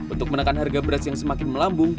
untuk menekan harga beras yang semakin melambung